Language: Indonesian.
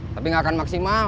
tapi gak akan maksimal